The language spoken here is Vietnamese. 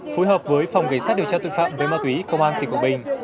phối hợp với phòng cảnh sát điều tra tội phạm về ma túy công an tỉnh quảng bình